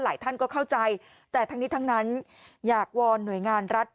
ท่านก็เข้าใจแต่ทั้งนี้ทั้งนั้นอยากวอนหน่วยงานรัฐ